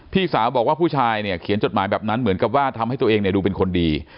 พี่สาวบอกว่าผู้ชายเนี่ยเขียนจดหมายแบบนั้นเหมือนกับว่าทำให้ตัวเองดูเป็นคนดี